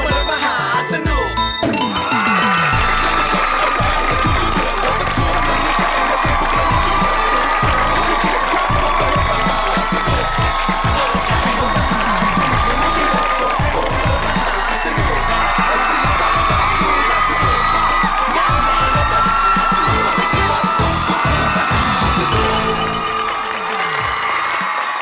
มหาสนุก